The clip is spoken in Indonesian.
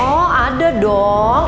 oh ada dong